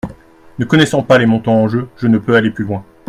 Ne connaissant pas les montants en jeu, je ne peux aller plus loin.